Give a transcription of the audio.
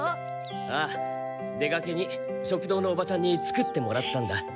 ああ出がけに食堂のおばちゃんに作ってもらったんだ。